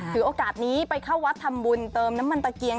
ถือโอกาสนี้ไปเข้าวัดทำบุญเติมน้ำมันตะเกียง